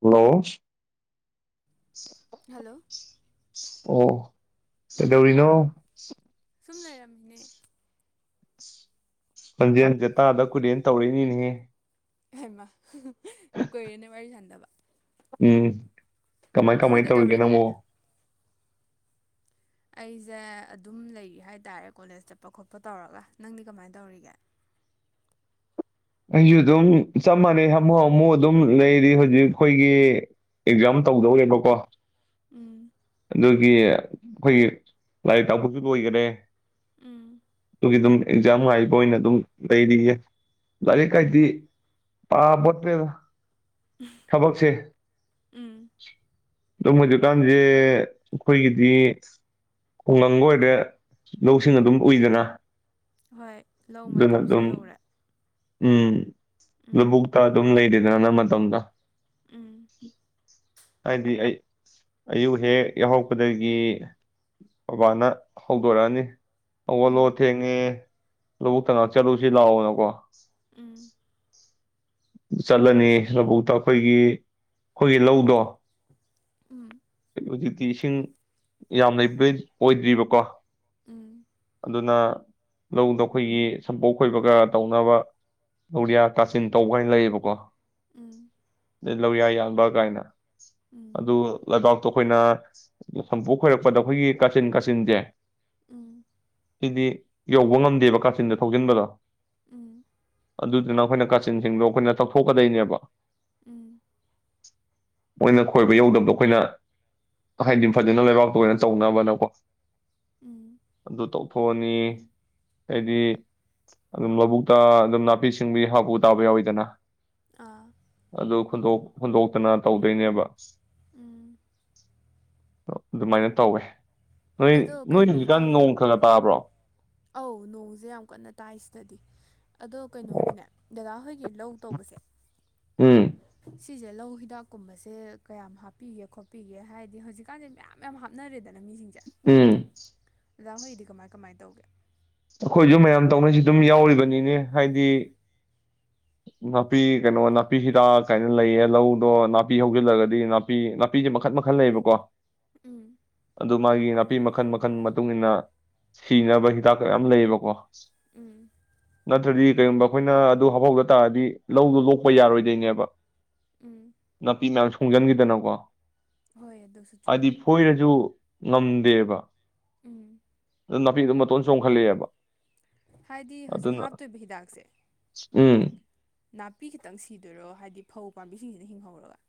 hello hello ꯑꯣ ꯀꯩꯗꯧꯔꯤꯅꯣ ꯁꯨꯝ ꯂꯩꯔꯝꯃꯤꯅꯦ ꯈꯣꯟꯖꯦꯟ ꯇꯥꯥꯗ ꯀꯨꯏꯔꯦꯅ ꯇꯧꯔꯛꯏꯅꯤꯅꯦꯍꯦ ꯍꯥꯏꯃ ꯀꯨꯏꯔꯦꯅꯦ ꯋꯥꯔꯤ ꯁꯥꯟꯗꯕ ꯎꯝ ꯀꯃꯥꯏ ꯅꯪꯗꯤ ꯀꯃꯥꯏ ꯇꯧꯔꯤꯒꯦ ꯀꯩꯗꯧꯔꯤꯒꯦ ꯅꯪꯕꯨ ꯑꯩꯁꯦ ꯑꯗꯨꯝ ꯂꯩꯔꯤ ꯍꯥꯏ ꯇꯔꯦ ꯀꯣꯂꯦꯖ ꯆꯠꯄ ꯈꯣꯠꯄ ꯇꯧꯔꯒ ꯅꯪꯗꯤ ꯀꯃꯥꯏꯅ ꯇꯧꯔꯤꯒꯦ ꯑꯩꯁꯨ ꯑꯗꯨꯝ ꯆꯞ ꯃꯥꯟꯅꯩ ꯍꯥꯃꯨ ꯍꯥꯃꯨ ꯑꯗꯨꯝ ꯂꯩꯔꯤ ꯍꯧꯖꯤꯛ ꯑꯩꯈꯣꯏꯒꯤ ꯑꯦꯛꯖꯥꯝ ꯇꯧꯗꯧꯔꯦꯕꯀꯣ ꯎꯝ ꯑꯗꯨꯒꯤ ꯑꯩꯈꯣꯏꯒꯤ ꯂꯥꯏꯔꯤꯛ ꯇꯥꯛꯄꯁꯨ ꯂꯣꯏꯈꯔꯦ ꯎꯝ ꯑꯗꯨꯒꯤ ꯑꯦꯛꯖꯥꯝ ꯉꯥꯏꯕ ꯑꯣꯏꯅ ꯑꯗꯨꯝ ꯂꯩꯔꯤꯌꯦ ꯂꯥꯏꯔꯤꯛ ꯀꯥꯏꯗꯤ ꯎꯝ ꯄꯥꯄꯣꯠꯇꯔ꯭ꯦꯗꯥ ꯊꯕꯛꯁꯦ ꯎꯝ ꯑꯗꯨꯝ ꯍꯧꯖꯤꯛꯀꯥꯟꯁꯦ ꯑꯈꯣꯏꯒꯤꯗꯤ ꯈꯨꯡꯒꯪꯒ ꯑꯣꯏꯔꯦ ꯂꯧꯁꯤꯡ ꯑꯗꯨꯝ ꯎꯏꯗꯅ ꯍꯣꯏ ꯂꯧ ꯑꯗꯨꯅ ꯃꯇꯝꯁꯨ ꯑꯗꯨꯝ ꯌꯧꯔꯦ ꯎꯝ ꯎꯝ ꯂꯥꯕꯨꯛꯇꯥ ꯑꯗꯨꯝ ꯂꯩꯔꯤ ꯅ ꯃꯇꯝꯗ ꯎꯝ ꯍꯥꯏꯗꯤ ꯑꯩ ꯑꯌꯨꯛ ꯍꯦꯛ ꯌꯥꯎꯍꯔꯛꯄꯗꯒꯤ ꯕꯕꯥꯅ ꯍꯧꯗꯣꯔꯛꯑꯅꯤ ꯍꯧꯒꯠꯂꯣ ꯎꯝ ꯊꯦꯡꯉꯦ ꯂꯥꯕꯨꯛꯇꯥ ꯉꯩꯍꯥꯛ ꯆꯂꯨꯁꯤ ꯂꯥꯛꯑꯣꯅꯀꯣ ꯎꯝ ꯆꯠꯂꯅꯤ ꯂꯧꯕꯨꯛꯇ ꯑꯩꯈꯣꯏꯒꯤ ꯑꯩꯈꯣꯏꯒꯤ ꯂꯧꯗꯣ ꯎꯝ ꯍꯧꯖꯤꯛꯇꯤ ꯏꯁꯤꯡ ꯌꯥꯝ ꯂꯩꯕꯩ ꯑꯣꯏꯗ꯭ꯔꯤꯕꯀꯣ ꯎꯝ ꯑꯗꯨꯅ ꯂꯧꯗꯣ ꯑꯩꯈꯣꯏꯒꯤ ꯁꯝꯄꯣꯛ ꯈꯣꯏꯕꯒ ꯇꯧꯅꯕ ꯂꯧꯔꯤꯌꯥ ꯀꯥꯆꯤꯟ ꯇꯧ ꯀꯥꯏꯅ ꯂꯩꯌꯦꯕꯀꯣ ꯎꯝ ꯂꯧꯌꯥ ꯌꯥꯟꯕ ꯀꯥꯏꯅ ꯎꯝ ꯑꯗꯨ ꯎꯇꯣ ꯑꯩꯈꯣꯏꯅ ꯁꯝꯄꯣꯛ ꯈꯣꯏꯔꯛꯄꯗ ꯑꯩꯈꯣꯏꯒꯤ ꯀꯥꯆꯤꯟ ꯀꯥꯆꯤꯟꯁꯦ ꯎꯝ ꯁꯤꯗꯤ ꯌꯧꯕ ꯉꯝꯗꯦꯕ ꯀꯥꯆꯤꯟꯗ ꯊꯧꯖꯤꯟꯕꯗꯣ ꯎꯝ ꯑꯗꯨꯗꯨꯅ ꯑꯩꯈꯣꯏꯅ ꯀꯥꯆꯤꯟꯁꯤꯡꯗꯣ ꯑꯩꯈꯣꯏꯅ ꯇꯧꯊꯣꯛꯀꯗꯣꯏꯅꯦꯕ ꯎꯝ ꯃꯣꯏꯅ ꯈꯣꯏꯕ ꯌꯧꯗꯕꯗꯣ ꯑꯩꯈꯣꯏꯅ ꯍꯥꯏꯗꯤ ꯐꯖꯅ ꯂꯩꯕꯥꯛꯇ ꯑꯣꯏꯅ ꯇꯧꯅꯕꯅꯀꯣ ꯎꯝ ꯑꯗꯨ ꯇꯧ ꯐꯨꯛꯑꯥꯅꯤ ꯍꯥꯏꯗꯤ ꯑꯗꯨꯝ ꯂꯧꯕꯨꯛꯇ ꯑꯗꯨꯝ ꯅꯥꯄꯤ ꯁꯤꯡꯕꯤ ꯍꯥꯞꯄꯨ ꯇꯥꯕ ꯌꯥꯎꯋꯤꯗꯅ ꯑ ꯑꯗꯨ ꯍꯨꯟꯗꯣꯛꯇꯅ ꯇꯧꯗꯣꯏꯅꯦꯕ ꯎꯝ ꯑꯗꯨꯃꯥꯏꯅ ꯇꯧꯌꯦ ꯅꯣꯏ ꯑꯗꯣ ꯅꯣꯏ ꯀꯩꯅꯣ ꯍꯧꯖꯤꯛꯀꯥꯟ ꯇꯧꯕ꯭ꯔꯣ ꯅꯣꯡ ꯈ ꯈꯥ ꯇꯥꯕ꯭ꯔꯣ ꯑꯧ ꯅꯣꯡꯖꯦ ꯌꯥꯝ ꯀꯟꯅ ꯇꯥꯏ ꯁꯤꯗꯗꯤ ꯑꯗꯣ ꯀꯩꯅꯣꯒꯤꯅꯦ ꯗꯗꯥ ꯍꯣꯏꯒꯤ ꯂꯧ ꯇꯧꯕꯁꯦ ꯎꯝ ꯁꯤꯁꯦ ꯂꯧ ꯍꯤꯗꯥꯛꯀꯨꯝꯕꯁꯦ ꯀꯌꯥꯝ ꯍꯥꯞꯄꯤꯒꯦ ꯈꯣꯠꯄꯤꯒꯦ ꯍꯥꯏꯗꯤ ꯍꯧꯖꯤꯛꯀꯥꯟꯁꯦ ꯃꯌꯥꯝ ꯃꯌꯥꯝ ꯍꯥꯞꯅꯔꯦꯗꯅ ꯃꯤꯁꯤꯡꯁꯦ ꯎꯝ ꯗꯥꯗ ꯍꯣꯏꯒꯤꯗꯤ ꯀꯃꯥꯏ ꯀꯃꯥꯏ ꯇꯧꯒꯦ ꯑꯩꯈꯣꯏꯁꯨ ꯃꯌꯥꯝ ꯇꯧꯅꯩꯁꯤ ꯑꯗꯨꯝ ꯌꯥꯎꯔꯤꯕꯅꯤꯅꯦ ꯍꯥꯏꯗꯤ ꯅꯥꯄꯤ ꯀꯩꯅꯣ ꯅꯥꯄꯤ ꯍꯤꯗꯥꯛ ꯀꯥꯏꯅ ꯂꯩꯌꯦ ꯂꯧꯗꯣ ꯅꯥꯄꯤ ꯍꯧꯖꯤꯜꯂꯒꯗꯤ ꯅꯥꯄꯤ ꯅꯥꯄꯤꯁꯦ ꯃꯈꯟ ꯃꯈꯟ ꯂꯩꯌꯦꯕꯀꯣ ꯎꯝ ꯑꯗꯨ ꯃꯥꯒꯤ ꯅꯥꯄꯤ ꯃꯈꯜ ꯃꯈꯜ ꯃꯇꯨꯡ ꯃꯇꯨꯡꯏꯟꯅ ꯁꯤꯅꯕ ꯍꯤꯗꯥꯛꯌꯥꯝ ꯂꯩꯌꯦꯕꯀꯣ ꯎꯝ ꯅꯠꯇꯔꯗꯤ ꯀꯩꯒꯨꯝꯕ ꯑꯩꯈꯣꯏꯅ ꯑꯗꯨ ꯍꯥꯐꯥꯎꯗ ꯇꯥꯔꯗꯤ ꯂꯧꯗꯣ ꯂꯣꯛꯄ ꯌꯥꯔꯣꯏꯗꯣꯏꯅꯦꯕ ꯎꯝ ꯅꯄꯤꯅ ꯈꯣꯡꯖꯟꯒꯤꯗꯅꯀꯣ ꯍꯣꯏ ꯑꯗꯨꯁꯨ ꯆꯨꯝꯃꯤ ꯍꯥꯏꯗꯤ ꯐꯣꯏꯔꯖꯨ ꯉꯝꯗꯦꯕ ꯎꯝ ꯑꯗꯨ ꯅꯥꯄꯤꯗꯨꯝ ꯃꯇꯣꯟ ꯆꯣꯡꯈꯠꯂꯛꯑꯦꯕ ꯍꯥꯏꯗꯤ ꯍꯧꯖꯤꯛ ꯑꯗꯨꯅ ꯍꯥꯞꯇꯣꯏꯕ ꯍꯤꯗꯥꯛꯁꯦ ꯎꯝ ꯅꯥꯄꯤ ꯈꯤꯇꯪ ꯁꯤꯗꯣꯏꯔꯣ ꯍꯥꯏꯗꯤ ꯐꯧ ꯄꯥꯝꯕꯤꯁꯤꯡꯁꯤꯅ ꯍꯤꯡꯍꯧꯔꯒ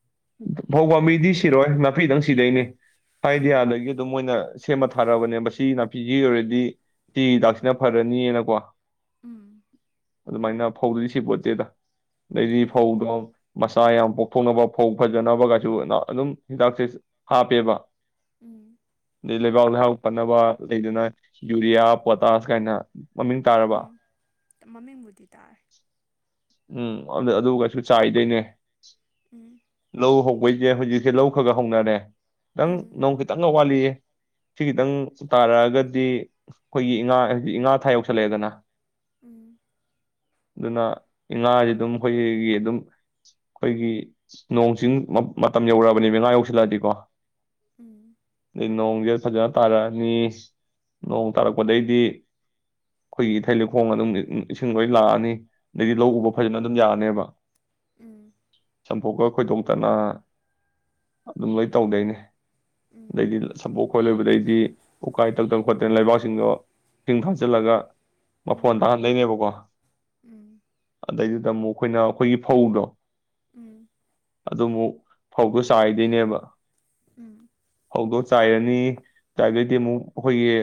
ꯐꯧ ꯄꯥꯝꯕꯤꯗꯤ ꯁꯤꯔꯣꯏ ꯅꯥꯄꯤꯗꯪ ꯁꯤꯗꯣꯏꯅꯤ ꯎꯝ ꯍꯥꯏꯗꯤꯌꯥꯗꯒꯤ ꯑꯗꯨꯝ ꯃꯣꯏꯅ ꯁꯦꯝꯃ ꯐꯔꯕꯅꯦ ꯃꯁꯤ ꯅꯥꯄꯤꯁꯤ ꯑꯣꯏꯔꯗꯤ ꯁꯤ ꯍꯤꯗꯥꯛꯁꯤꯅ ꯐꯔꯅꯤꯅꯀꯣ ꯎꯝ ꯑꯗꯨꯃꯥꯏꯅ ꯐꯧꯗꯨꯗꯤ ꯁꯤ ꯄꯣꯠꯇꯦꯗ ꯑꯗꯩꯗꯤ ꯑꯣ ꯐꯧꯗꯣ ꯃꯆꯥ ꯌꯥꯝ ꯄꯣꯛꯊꯣꯛꯅꯕ ꯐꯧ ꯐꯖꯅꯕ ꯀꯥꯏꯁꯨ ꯅ ꯑꯗꯨꯝ ꯍꯤꯗꯥꯛꯁꯦ ꯍꯥꯞꯄꯦꯕ ꯎꯝ ꯑꯗꯩ ꯂꯩꯕꯥꯛ ꯂꯩꯍꯥꯎ ꯐꯅꯕ ꯂꯩꯗꯅ ꯌꯨꯔꯤꯌꯥ ꯄꯣꯇꯥꯁ ꯀꯥꯏꯅ ꯃꯃꯤꯡ ꯇꯥꯔꯕ ꯎꯝ ꯃꯃꯤꯡꯕꯨꯗꯤ ꯇꯥꯔꯦ ꯎꯝ ꯑꯗꯨ ꯀꯩꯁꯨ ꯆꯥꯏꯗꯣꯏꯅꯦ ꯎꯝ ꯂꯧ ꯍꯧ ꯑꯩꯈꯣꯏꯁꯦ ꯍꯧꯖꯤꯛꯁꯦ ꯂꯧ ꯈꯒ ꯍꯧꯅꯔꯦ ꯈꯤꯇꯪ ꯎꯝ ꯅꯣꯡ ꯈꯤꯇꯪꯒ ꯋꯥꯠꯂꯤꯑꯦ ꯁꯤ ꯈꯤꯇꯪ ꯇꯥꯔꯛꯑꯒꯗꯤ ꯑꯩꯈꯣꯏꯒꯤ ꯏꯉꯥ ꯍꯧꯖꯤꯛ ꯏꯉꯥ ꯊꯥ ꯌꯧꯁꯜꯂꯛꯑꯦꯗꯅ ꯎꯝ ꯑꯗꯨꯅ ꯏꯉꯥ ꯑꯗꯤ ꯑꯗꯨꯝ ꯑꯩꯈꯣꯏꯒꯤ ꯑꯗꯨꯝ ꯑꯩꯈꯣꯏꯒꯤ ꯅꯣꯡ ꯆꯤꯡ ꯃ ꯃꯇꯝ ꯌꯧꯔꯛꯑꯔꯕꯅꯦꯕ ꯏꯉꯥ ꯌꯧꯁꯤꯜꯂꯛꯑꯗꯤꯀꯣ ꯎꯝ ꯅꯣꯡꯖꯦ ꯐꯖ ꯇꯥꯔꯛꯑꯅꯤ ꯅꯣꯡ ꯇꯥꯔꯛꯄꯗꯩꯗꯤ ꯑꯩꯈꯣꯏꯒꯤ ꯏꯊꯩ ꯂꯧꯈꯣꯡ ꯑꯗꯨꯝ ꯏꯁꯤꯡ ꯂꯣꯏ ꯂꯥꯛꯑꯅꯤ ꯑꯗꯩꯗꯤ ꯂꯧ ꯎꯕ ꯎꯝ ꯐꯖꯅ ꯑꯗꯨꯝ ꯌꯥꯔꯅꯦꯕ ꯎꯝ ꯆꯝꯄꯣꯛꯀ ꯈꯣꯏꯗꯣꯛꯇꯅ ꯑꯗꯨꯝ ꯂꯣꯏ ꯇꯧꯗꯣꯏꯅꯤ ꯎꯝ ꯂꯩꯗꯤ ꯁꯄꯣ ꯈꯣꯂꯣꯏꯕꯗꯩ ꯎꯀꯥꯏ ꯇꯪꯗꯅ ꯈꯣꯠꯇꯅ ꯂꯩꯕꯥꯛꯁꯤꯡꯗꯣ ꯏꯁꯤꯡ ꯊꯥꯖꯜꯂꯒ ꯃꯐꯣꯟ ꯎꯝ ꯇꯥꯥꯍꯟ ꯂꯩꯅꯦꯕꯀꯣ ꯎꯝ ꯎꯝ ꯑꯗꯩꯗꯨꯗ ꯑꯃꯨꯛ ꯑꯩꯈꯣꯏꯅ ꯑꯩꯈꯣꯏꯒꯤ ꯐꯧꯗꯣ ꯎꯝ ꯑꯗꯨ ꯑꯃꯨꯛ ꯐꯧꯗꯣ ꯆꯥꯏꯗꯣꯏꯅꯦꯕ ꯍꯧꯗ ꯆꯥꯏꯔꯅꯤ ꯆꯥꯏꯕꯏꯗꯤ ꯑꯃꯨꯛ ꯑꯩꯈꯣꯏꯒꯤꯥ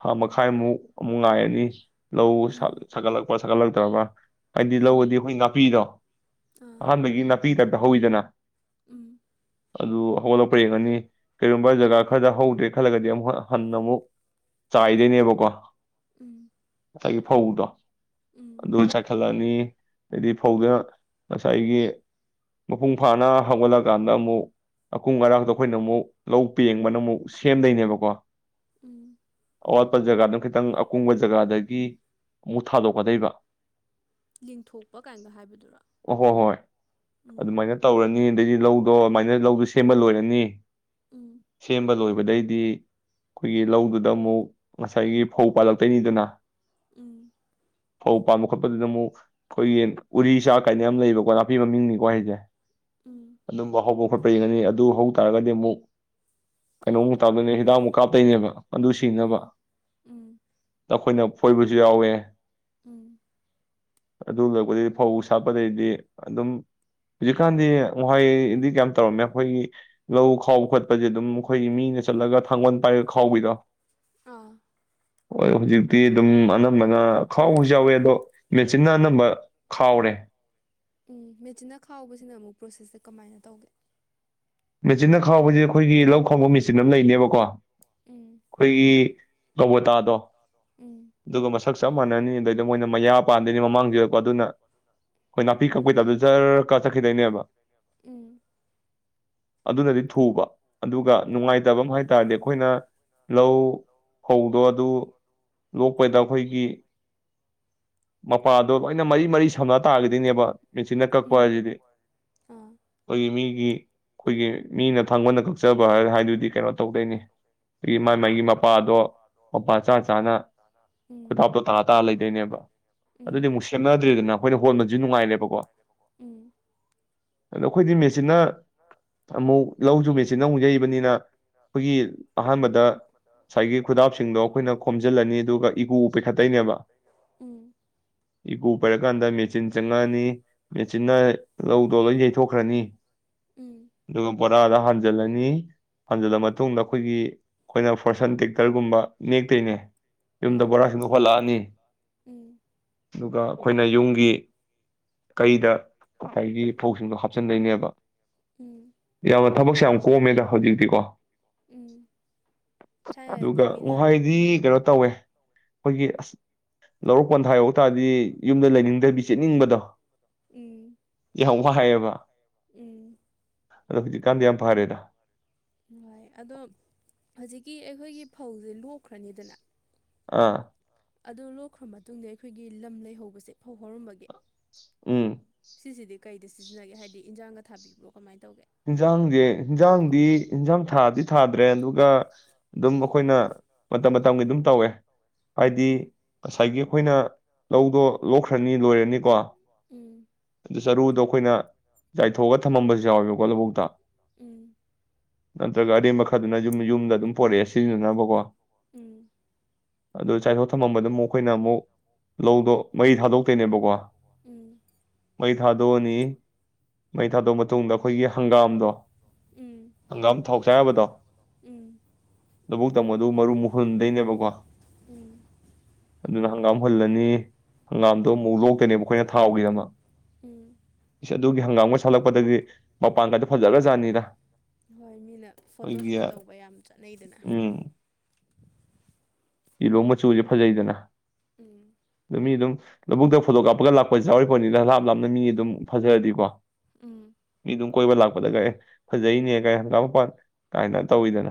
ꯊꯥ ꯃꯈꯥꯏꯃꯨꯛ ꯑꯃꯨꯛ ꯉꯥꯏꯔꯅꯤ ꯑꯣ ꯁꯥ ꯎꯝ ꯁꯥꯒꯇꯂꯛꯄ ꯁꯀꯜꯂ ꯇꯕꯕ [inaudible] ꯍꯥꯏꯗꯤ ꯎꯝ ꯎꯝ ꯂꯧꯔꯗꯤ ꯑꯩꯈꯣꯏ ꯅꯥꯄꯤꯗꯣ ꯑꯥ ꯑꯍꯥꯟꯕꯒꯤ ꯅꯥ [inaudible] ꯗꯥꯏꯞꯗ ꯍꯧꯏꯗꯅ ꯎꯝ ꯑꯗꯨ ꯍꯧꯒꯠꯂꯛꯄ ꯌꯦꯡꯉꯅꯤ ꯀꯔꯤꯒꯨꯝꯕ ꯖꯒꯥ ꯈꯔꯗ ꯍꯧꯗ꯭ꯔꯦ ꯈꯜꯂꯒꯗꯤ ꯑꯃꯨꯛ ꯍꯣ ꯍꯟꯅ ꯑꯃꯨꯛ ꯆꯥꯏꯗꯣꯏꯅꯦꯕꯀꯣ ꯎꯝ ꯒꯤ ꯐꯧꯗꯣ ꯎꯝ ꯆ [inaudible] ꯆꯠꯂꯅꯤ ꯑꯗꯩꯗꯤ ꯐꯧꯗ ꯉꯁꯥꯏꯒꯤ ꯃꯄꯨꯡ ꯐꯥꯅ ꯍꯧꯒꯠꯂꯀꯥꯟꯗ ꯑꯃꯨꯛ ꯑꯀꯨꯡ ꯑꯔꯇ ꯑꯩꯈꯣꯏꯅ ꯑꯃꯨꯛ ꯂꯧ ꯄꯦꯡꯕꯅ ꯑꯃꯨꯛ ꯁꯦꯝꯗꯣꯏꯅꯦꯕꯀꯣ ꯎꯝ ꯑꯋꯥꯠꯄ ꯖꯒꯥꯗꯨ ꯈꯤꯇꯪ ꯑꯀꯨꯡꯕ ꯖꯒꯥꯗꯒꯤ ꯑꯃꯨꯛ ꯊꯥꯗꯣꯛꯀꯗꯣꯏꯕ ꯂꯦꯡꯊꯣꯛꯄ ꯀꯥꯏꯅꯒ ꯍꯥꯏꯕꯗꯨꯔꯣ ꯑꯣ ꯍꯣ ꯍꯣꯏ ꯎꯝ ꯑꯗꯨꯃꯥꯏꯅ ꯇꯧꯔꯅꯤ ꯑꯗꯩꯗꯤ ꯂꯧ ꯑꯣ ꯑꯃꯥꯏꯅ ꯂꯧꯗꯨ ꯁꯦꯝꯕ ꯂꯣꯏꯔꯅꯤ ꯎꯝ ꯁꯦꯝꯕ ꯂꯑꯣꯏꯕ ꯑꯗꯩꯗꯤ ꯑꯩꯈꯣꯏꯒꯤ ꯂꯧꯗꯨꯗ ꯑꯃꯨꯛ ꯉꯁꯥꯏꯒꯤ ꯐꯧ ꯄꯥꯜꯂꯛꯇꯣꯏꯅꯤꯗꯅ ꯎꯝ ꯐꯧ ꯄꯥꯜ ꯃꯨꯛ ꯈꯣꯠꯄꯗꯨꯗ ꯑꯃꯨꯛ ꯑꯩꯈꯣꯏꯒꯤ ꯎꯔꯤ ꯆꯥꯛ ꯀꯥꯏꯅ ꯌꯥꯝ ꯂꯩꯕꯀꯣ ꯅꯥꯄꯤ ꯃꯃꯤꯡꯅꯤꯀꯣ ꯍꯥꯏꯖꯦ ꯎꯝ ꯑꯗꯨꯝꯕ ꯍꯧꯕ ꯈꯣꯠꯄ ꯌꯦꯒꯅꯤ ꯑꯗꯨ ꯍꯧꯇꯥꯥꯔꯒꯗꯤ ꯑꯃꯨꯛ ꯀꯩꯅꯣꯃꯨꯛ ꯇꯥꯛꯇꯣꯏꯅꯦ ꯍꯤꯗꯥꯛꯃꯨꯛ ꯀꯥꯞꯇꯣꯏꯅꯦꯕ ꯑꯗꯨ ꯁꯤꯅꯕ ꯎꯝ ꯎꯝ ꯑꯩꯈꯣꯏꯅ ꯐꯣꯏꯕꯁꯨ ꯌꯥꯎꯋꯦ ꯎꯝ ꯑꯗꯨ ꯂꯄꯗꯩꯗꯤ ꯐꯧ ꯁꯥꯠꯄꯗꯩꯗꯤ ꯑꯗꯨꯝ ꯍꯧꯖꯤꯛꯀꯥꯟꯗꯤ ꯉꯋꯥꯍꯣꯏꯗꯤ ꯌꯥꯝ ꯇꯧꯔꯝꯃꯦ ꯑꯩꯈꯣꯏꯒꯤ ꯂꯧ ꯈꯥꯎꯕ ꯈꯣꯠꯄꯖꯦ ꯑꯗꯨꯝ ꯑꯩꯈꯣꯏꯒꯤ ꯃꯤꯅ ꯆꯠꯂꯒ ꯊꯥꯡꯒꯣꯜ ꯄꯥꯏꯔꯒ ꯈꯥꯎꯕꯩꯗꯣ ꯑꯥ ꯍ ꯍꯧꯖꯤꯛꯇꯤ ꯑꯗꯨꯝ ꯑꯅꯝꯕꯅ ꯈꯥꯎꯕꯁꯨ ꯌꯥꯎꯋꯦ ꯑꯗꯣ ꯃꯦꯆꯤꯟꯅ ꯑꯅꯝꯕ ꯈꯥꯎꯔꯦ ꯎꯝ ꯃꯦꯆꯤꯟꯅ ꯈꯥꯎꯕꯁꯤꯅ ꯑꯃꯨꯛ ꯄ꯭ꯔꯣꯁꯦꯁꯁꯦ ꯀꯃꯥꯏꯅ ꯇꯧꯒꯦ ꯃꯦꯆꯤꯟꯅ ꯈꯥꯎꯕꯖꯦ ꯑꯩꯈꯣꯏꯒꯤ ꯂꯧ ꯈꯥꯎꯕ ꯃꯦꯆꯤꯟ ꯑꯃ ꯂꯩꯅꯦꯕꯀꯣ ꯎꯝ ꯑꯩꯈꯣꯏꯒꯤ ꯀꯕꯣꯇꯥꯗꯣ ꯎꯝ ꯑꯗꯨꯒ ꯃꯁꯛ ꯆꯞ ꯃꯅꯅꯤ ꯑꯗꯩꯗ ꯃꯣꯏꯅ ꯃꯌꯥ ꯄꯥꯟꯗꯣꯏꯅꯤ ꯃꯃꯥꯡꯖꯤꯗꯀꯣ ꯑꯗꯨꯅ ꯑꯩꯈꯣꯏ ꯅꯥꯄꯤ ꯀꯛꯄꯩꯗ ꯖꯔ ꯀꯥ ꯆꯠꯈꯤꯗꯣꯏꯅꯦꯕ ꯎꯝ ꯑꯗꯨꯅꯗꯤ ꯊꯨꯕ ꯑꯗꯨꯒ ꯑꯣ ꯅꯨꯡꯉꯥꯏꯇꯕ ꯑꯃ ꯍꯥꯏꯇꯥꯥꯔꯗꯤ ꯑꯩꯈꯣꯏꯅ ꯂꯧ ꯐꯧꯗꯣ ꯑꯗꯨ ꯂꯣꯛ ꯑꯩꯈꯣꯏꯗ ꯑꯩꯈꯣꯏꯒꯤ ꯃꯄꯥꯗꯣ ꯂꯣꯏꯅ ꯃꯔꯤ ꯃꯔꯤ ꯁꯝꯅ ꯇꯥꯔꯒꯗꯤꯅꯦꯕ ꯃꯦꯆꯤꯟꯅ ꯀꯛꯄ ꯎꯝ ꯍꯥꯏꯁꯤꯗꯤ ꯑꯥ ꯑꯩꯈꯣꯏꯒꯤ ꯃꯤꯒꯤ ꯑꯩꯈꯣꯏꯒꯤ ꯃꯤꯅ ꯊꯥꯡꯒꯜꯅ ꯀꯛꯆꯕ ꯍꯥꯏꯗꯨꯗꯤ ꯀꯩꯅꯣ ꯇꯧꯗꯣꯏꯅꯤ ꯑꯗꯒꯤ ꯃꯒꯤ ꯃꯥꯒꯤ ꯃꯄꯥꯗꯣ ꯃꯄꯥ ꯆꯥ ꯆꯥꯅ ꯎꯝ ꯈꯨꯗꯞꯇꯣ ꯇꯥꯔ ꯇꯥꯔ ꯂꯩꯗꯣꯏꯅꯦꯕ ꯑꯗꯨꯗꯤ ꯎꯝ ꯑꯃꯨꯛ ꯁꯦꯝꯅꯗ꯭ꯔꯦꯗꯅ ꯑꯩꯈꯣꯏꯅ ꯍꯣꯟꯕꯁꯨ ꯅꯨꯡꯉꯥꯏꯔꯦꯕꯀꯣ ꯎꯝ ꯑꯗꯨ ꯑꯩꯈꯣꯏꯗꯤ ꯆꯅ ꯑꯃꯨꯛ ꯂꯧꯁꯨ ꯃꯦꯆꯤꯟꯅ ꯑꯃꯨꯛ ꯌꯩꯕꯅꯤꯅ ꯑꯩꯈꯣꯏꯒꯤ ꯑꯍꯥꯟꯕꯗ ꯉꯁꯥꯏꯒꯤ ꯈꯨꯗꯥꯞꯁꯤꯡꯗꯣ ꯑꯩꯈꯣꯏꯅ ꯈꯣꯝꯖꯤꯜꯂꯅꯤ ꯑꯗꯨꯒ ꯏꯒꯨ ꯄꯥꯏꯈꯠꯇꯣꯏꯅꯦꯕ ꯎꯝ ꯏꯒꯨ ꯄꯥꯏꯔꯀꯥꯟꯗ ꯃꯦꯆꯤꯟ ꯆꯪꯉꯛꯑꯅꯤ ꯃꯦꯆꯤꯟꯅ ꯂꯧꯗꯣ ꯂꯣꯏ ꯌꯩꯊꯣꯛꯈ꯭ꯔꯅꯤ ꯎꯝ ꯑꯗꯨ ꯄꯨꯣꯔ ꯍꯥꯟ ꯐꯟꯖꯤꯜꯂꯅꯤ ꯍꯟꯖꯤꯜꯂ ꯃꯇꯨꯡꯗ ꯑꯩꯈꯣꯏꯒꯤ ꯑꯩꯈꯣꯏꯅ ꯐꯣꯔꯁꯟ ꯇꯦꯛꯇꯔꯒꯨꯝꯕ ꯅꯦꯛꯇꯣꯏꯅꯦ ꯌꯨꯝꯗ ꯎꯝ ꯕꯣꯔꯥꯁꯤꯡꯗꯣꯛ ꯍꯂꯛꯑꯅꯤ ꯎꯝ ꯑꯗꯨꯒ ꯑꯩꯈꯣꯏꯅ ꯌꯨꯝꯒꯤ ꯀꯩꯗ ꯉꯁꯥꯏꯒꯤ ꯐꯧꯁꯤꯡꯗꯣ ꯍꯥꯞꯆꯤꯟꯗꯩꯅꯦꯕ ꯎꯝ ꯌꯥ ꯊꯕꯛ ꯁ ꯌꯥꯝ ꯍꯣ ꯃꯗ ꯍꯧꯖꯤꯛꯇꯤꯀꯣ ꯎꯝ ꯊꯥꯏꯅꯗꯤ ꯑꯗꯨꯒ ꯃꯤꯅ ꯋꯥꯣꯏꯗꯤ ꯀꯩꯅꯣ ꯇꯧꯋꯦ ꯑꯩꯈꯣꯏꯒꯤ ꯑꯁ ꯂꯧꯔꯛ ꯄꯣꯟꯊꯥ ꯌꯧ ꯇꯥꯔꯗꯤ ꯌꯨꯝꯗ ꯂꯩꯅꯤꯡꯗꯕꯤ ꯆꯦꯠꯅꯤꯡꯕꯗꯣ ꯎꯝ ꯋꯥꯕ ꯍ ꯑꯗꯣ ꯍꯧꯖꯤꯛꯀꯥꯟꯗꯤ ꯌꯥꯝ ꯐꯥꯔꯦꯗ ꯍꯣꯏ ꯑꯗꯣ ꯍꯧꯖꯤꯛꯀꯤ ꯅꯣꯏꯒꯤ ꯐꯧꯁꯦ ꯂꯣꯛꯈ꯭ꯔꯅꯤꯗꯅ ꯑꯥ ꯑꯗꯨ ꯂꯣꯛꯈ꯭ꯔ ꯃꯇꯨꯡꯗ ꯑꯩꯈꯣꯏꯒꯤ ꯂꯝ ꯂꯩꯍꯧꯕꯁꯦ ꯐꯧ ꯍꯧꯔꯝꯕꯒꯤ ꯎꯝ ꯁꯤꯁꯤꯗꯤ ꯀꯩꯗ ꯁꯤꯖꯤꯟꯅꯒꯦ ꯍꯥꯏꯗꯤ ꯏꯟꯖꯥꯡꯒ ꯊꯥꯕꯤꯕ꯭ꯔꯣ ꯀꯃꯥꯏꯅ ꯇꯧꯒꯦ ꯏꯟꯁꯥꯡꯁꯦ ꯏꯟꯖꯥꯡꯗꯤ ꯏꯟꯖꯥꯡ ꯊꯥꯗꯤ ꯊꯥꯗ꯭ꯔꯦ ꯑꯗꯨꯒ ꯑꯗꯨꯝ ꯑꯩꯈꯣꯏꯅ ꯃꯇꯝ ꯃꯇꯝꯒꯤ ꯑꯗꯨꯝ ꯇꯧꯋꯦ ꯍꯥꯏꯗꯤ ꯎꯝ ꯉꯁꯥꯏꯒꯤ ꯑꯩꯈꯣꯏꯅ ꯂꯧꯗꯣ ꯂꯣꯛꯈ꯭ꯔꯅꯤ ꯂꯣꯏꯔꯅꯤꯀꯣ ꯎꯝ ꯑꯗꯨ ꯆꯔꯨꯗꯣ ꯑꯩꯈꯣꯏꯅ ꯆꯥꯏꯊꯣꯛꯑꯒ ꯊꯝꯃꯝꯕꯁꯨ ꯌꯥꯎꯋꯦꯕ ꯋꯥꯣꯂꯕꯨꯣꯛꯛꯇ ꯎꯝ ꯅꯠꯇ꯭ꯔꯒ ꯑꯔꯦꯝꯕ ꯈꯔꯗꯨꯅ ꯌꯨꯝ ꯌꯨꯝꯗ ꯑꯗꯨꯝ ꯄꯣꯔꯛꯑꯦ ꯁꯤꯖꯤꯟꯅꯅꯕꯀꯣ ꯎꯝ ꯑꯗꯨ ꯆꯥꯏꯊꯣꯛ ꯊꯝꯃꯝꯕꯗ ꯑꯃꯨꯛ ꯑꯩꯈꯣꯏꯅ ꯑꯃꯨꯛ ꯂꯧꯗꯣ ꯃꯩ ꯊꯥꯗꯣꯛꯇꯣꯏꯅꯦꯕꯀꯣ ꯃꯩ ꯊꯥꯗꯣꯅꯤ ꯃꯩ ꯊꯥꯗꯣꯛꯑ ꯃꯇꯨꯡꯗ ꯑꯩ ꯍꯦꯏꯒꯤ ꯍꯪꯒꯥꯝꯗꯣ ꯎꯝ ꯍꯪꯒꯥꯝ ꯊꯥꯎ ꯆꯥ ꯌꯥꯕꯗꯣ ꯎꯝ ꯎꯝ ꯇꯣ ꯑꯗꯨ ꯃꯔꯨ ꯃꯨꯍꯨꯟꯗꯣꯏꯅꯦꯕꯀꯣ ꯎꯝ ꯑꯗꯨꯅ ꯍꯪꯒꯥꯝ ꯍꯨꯜꯂꯅꯤ ꯍꯪꯒꯥꯝꯗꯣ ꯑꯃꯨꯛ ꯂꯣꯛꯇꯅꯦꯕ ꯑꯩꯈꯣꯏꯅ ꯊꯥꯎꯒꯤꯗꯃꯛ ꯎꯝ ꯑꯗꯨꯒꯤ ꯍꯪꯒꯥꯝꯒ ꯁꯥꯠꯂꯛꯄꯗꯒꯤ ꯃꯄꯥꯟꯒꯥꯏꯗꯣ ꯐꯖꯔꯒ ꯖꯥꯠꯅꯤꯗ ꯍꯣꯏ ꯃꯤꯅ ꯐꯣꯇꯣ ꯁꯨꯠ ꯇꯧꯕ ꯌꯥꯝ ꯆꯠꯅꯩꯗꯅ ꯎꯝ ꯌꯦꯜꯂꯣ ꯃꯆꯨꯁꯦ ꯐꯖꯩꯗꯅ ꯎꯝ ꯑꯗꯨꯅꯤ ꯑꯗꯨꯝ ꯂꯧꯕꯨꯛꯇ ꯐꯣꯇꯣ ꯀꯥꯞꯄꯒ ꯂꯥꯛꯄꯁꯨ ꯌꯥꯎꯔꯤꯄꯣꯠꯅꯤꯗ ꯂꯥꯞ ꯂꯥꯞꯅ ꯃꯤ ꯑꯗꯨꯝ ꯐꯖꯔꯗꯤꯀꯣ ꯎꯝ ꯃꯤ ꯑꯗꯨꯝ ꯀꯣꯏꯕ ꯂꯥꯛꯄꯗ ꯑ ꯐꯖꯩꯅꯦ ꯀꯥꯢꯅ ꯍꯪꯒꯥꯝ ꯃꯄꯥꯟ ꯀꯥꯏꯅ ꯇꯧꯋꯤꯗꯅ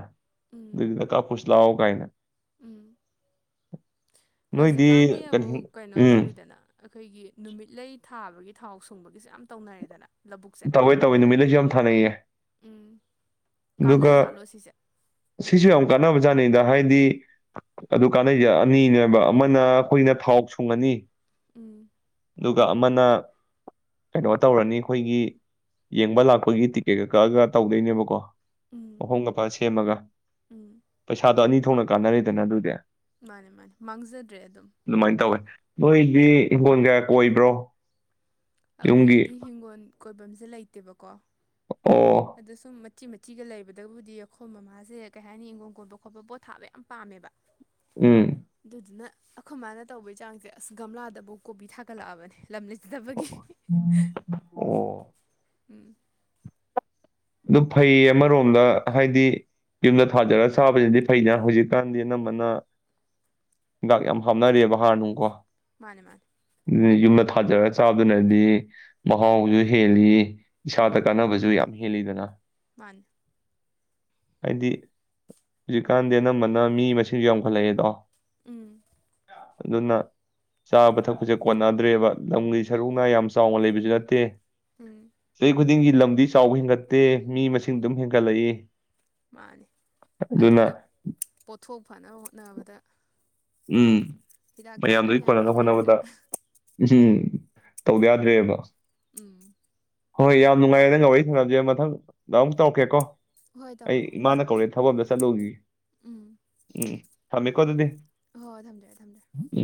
ꯑꯗꯨ ꯎꯝ ꯀꯥꯞꯄꯨꯁꯤ ꯂꯥꯎ ꯀꯥꯏꯅ ꯎꯝ ꯅꯣꯏꯗꯤ ꯍꯧꯖꯤꯛꯀꯥꯟꯗꯤ ꯀꯔꯤ ꯑꯃꯨꯛ ꯀꯩꯅꯣ ꯎꯝ ꯇꯧꯋꯤꯗꯅ ꯑꯩꯈꯣꯏꯒꯤ ꯅꯨꯃꯤꯠꯂꯩ ꯊꯥꯕꯒꯤ ꯊꯥꯎ ꯁꯨꯡꯕꯒꯤꯁꯦ ꯌꯥꯝ ꯇꯧꯅꯔꯦꯗꯅ ꯂꯧꯕꯨꯛꯁꯦ ꯇꯩꯋꯦ ꯇꯧꯋꯦ ꯅꯨꯃꯤꯠꯂꯩꯁꯨ ꯌꯥꯝ ꯊꯥꯅꯩꯌꯦ ꯎꯝ ꯑꯗꯨꯒ ꯀꯥꯟꯅꯖꯥꯠꯂꯣ ꯁꯤꯁꯦ ꯁꯤꯁꯨ ꯌꯥꯝ ꯀꯥꯟꯅꯕ ꯖꯥꯠ ꯀꯥꯅꯩꯗ ꯍꯥꯏꯗꯤ ꯑꯗꯨ ꯀꯥꯟꯅꯩꯁꯦ ꯑꯅꯤꯅꯦꯕ ꯑꯃꯅ ꯑꯩꯈꯣꯏꯅ ꯊꯥꯎ ꯁꯨꯡꯉꯅꯤ ꯎꯝ ꯑꯗꯨꯒ ꯑꯃꯅ ꯀꯩꯅꯣ ꯇꯧꯔꯅꯤ ꯑꯩꯈꯣꯏꯒꯤ ꯌꯦꯡꯕ ꯂꯥꯛꯄꯒꯤ ꯇꯤꯛꯀꯦꯠꯀ ꯀꯛꯒ ꯇꯧꯗꯣꯏꯅꯦꯕꯀꯣ ꯎꯝ ꯃꯄꯥꯝꯒ ꯐꯥ ꯁꯦꯝꯃꯒ ꯎꯝ ꯄꯩꯁꯥꯗꯣ ꯑꯅꯤ ꯊꯣꯛꯅ ꯀꯥꯟꯅꯔꯤꯗꯅ ꯑꯗꯨꯗꯤ ꯃꯥꯅꯦ ꯃꯥꯅꯦ ꯃꯥꯡꯖꯗ꯭ꯔꯦ ꯑꯗꯨꯝ ꯑꯗꯨꯃꯥꯏꯅ ꯇꯧꯋꯦ ꯅꯣꯏꯗꯤ ꯏꯪꯒꯣꯜ ꯀꯥ ꯀꯣꯏꯕ꯭ꯔꯣ ꯌꯨꯝꯒꯤ ꯑꯩꯈꯣꯏꯒꯤꯗꯤ ꯍꯤꯡꯈꯣꯜ ꯀꯣꯏꯐꯝꯁꯦ ꯂꯩꯇꯦꯕꯀꯣ ꯑꯣ ꯑꯗꯨꯁꯨꯨꯝ ꯃꯆꯤ ꯃꯆꯤꯒ ꯂꯩꯕꯗꯕꯨꯗꯤ ꯑꯩꯈꯣꯏ ꯃꯃꯥꯁꯦ ꯀꯩ ꯍꯥꯏꯅꯤ ꯏꯪꯈꯣꯜ ꯀꯣꯏꯕ ꯈꯣꯠꯄ ꯄꯣꯠ ꯊꯥꯕ ꯌꯥꯝ ꯄꯥꯝꯃꯦꯕ ꯎꯝ ꯑꯗꯨꯗꯨꯅ ꯑꯩꯈꯣꯏ ꯃꯥꯅ ꯇꯧꯕꯩ ꯆꯥꯡꯁꯦ ꯑꯁ ꯒꯝꯂꯥꯗꯕꯨ ꯀꯣꯕꯤ ꯊꯥꯒꯠꯂꯛꯑꯕꯅꯦ ꯂꯝ ꯂꯩꯖꯥꯗꯥꯕꯒꯤ [inaudible] ꯎꯝ ꯑꯗꯨ ꯐꯩ ꯑꯃꯔꯣꯝꯗ ꯍꯥꯏꯗꯤ ꯌꯨꯝꯗ ꯊꯥꯖꯔꯒ ꯆꯥꯕꯁꯤꯗꯤ ꯐꯩꯗ ꯍꯧꯖꯤꯛꯀꯥꯟꯗꯤ ꯑꯅꯝꯕꯅ ꯍꯤꯗꯥꯛ ꯌꯥꯝ ꯍꯥꯞꯅꯔꯦꯑꯕ ꯍꯥꯔꯅꯨꯡꯀꯣ ꯃꯥꯅꯦ ꯃꯥꯅꯦ ꯌꯨꯝꯗ ꯊꯥꯖꯔꯒ ꯆꯥꯗꯨꯅꯗꯤ ꯃꯍꯥꯎꯁꯨ ꯍꯦꯜꯂꯤ ꯏꯁꯥꯗ ꯀꯥꯟꯅꯕꯁꯨ ꯌꯥꯝ ꯍꯦꯜꯂꯤꯗꯅ ꯃꯥꯅꯤ ꯍꯥꯏꯗꯤ ꯍꯧꯖꯤꯛꯀꯥꯟꯗꯤ ꯑꯅꯝꯕꯅ ꯃꯤ ꯃꯁꯤꯡꯁꯨ ꯌꯥꯝꯈꯠꯂꯛꯑꯦꯗꯣ ꯎꯝ ꯑꯗꯨꯅ ꯆꯥꯕ ꯊꯛꯄꯁꯦ ꯀꯣꯟꯅꯗ꯭ꯔꯦꯕ ꯂꯝꯒꯤ ꯁꯔꯨꯛꯅ ꯌꯥꯝ ꯆꯥꯎꯅ ꯂꯩꯕꯁꯨ ꯅꯠꯇꯦ ꯎꯝ ꯆꯥꯍꯤ ꯈꯨꯗꯤꯡꯒꯤ ꯂꯝꯗꯤ ꯆꯥꯎ ꯍꯦꯟꯒꯠꯇꯦ ꯃꯤ ꯃꯁꯤꯡ ꯑꯗꯨꯝ ꯍꯦꯟꯒꯠꯂꯛꯏ ꯃꯥꯅꯤ ꯑꯗꯨꯅ ꯄꯣꯠꯊꯣꯛ ꯐꯅꯕ ꯍꯣꯠꯅꯕꯗ ꯎꯝ ꯍꯤꯗꯥꯛꯇꯣ ꯃꯌꯥꯝ ꯃꯌꯥꯝꯗꯨꯒꯤ ꯃꯌꯥꯝ ꯀꯣꯟꯅꯅꯕ ꯍꯥꯞꯅꯔꯦ ꯍꯣꯠꯅꯕꯗ ꯎꯝ ꯇꯧꯗ ꯌꯥꯗ꯭ꯔꯦꯕ ꯎꯝ ꯍꯣꯏ ꯌꯥꯝ ꯅꯨꯡꯉꯥꯏꯔꯦ ꯅꯪꯒ ꯋꯥꯔꯤ ꯁꯥꯟꯅꯕꯁꯦ ꯃꯊꯪꯗ ꯑꯃꯨꯛ ꯇꯧꯔꯛꯀꯦꯀꯣ ꯍꯣꯏ ꯑꯩ ꯇꯧꯔꯛꯑꯣ ꯏꯃꯥꯅ ꯀꯧꯔꯑꯦ ꯊꯕꯛ ꯑꯃꯇ ꯆꯂꯨꯒꯤ ꯎꯝ ꯎꯝ ꯊꯃꯦ ꯀꯣ ꯑꯗꯨꯗꯤ ꯍꯣꯏ ꯍꯣꯏ ꯊꯝꯖꯔꯦ ꯊꯝꯖꯔꯦ ꯎꯝ